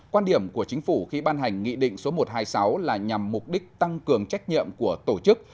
quan điểm của chính phủ khi ban hành nghị định số một trăm hai mươi sáu là nhằm mục đích tăng cường trách nhiệm của tổ chức